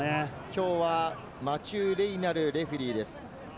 きょうはマチュー・レイナルレフェリーです。